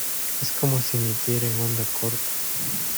es como si emitiera en onda corta.